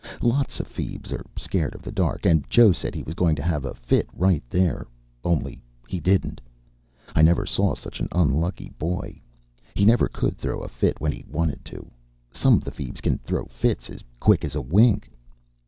Lots of feebs are scared of the dark, and Joe said he was going to have a fit right there. Only he didn't. I never saw such an unlucky boy. He never could throw a fit when he wanted to. Some of the feebs can throw fits as quick as a wink.